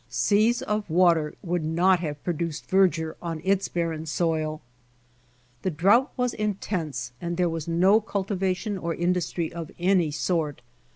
Seas of water would not have produced verdure on its barren soil. The drought was intense and there was no cultivation or industry of any sort.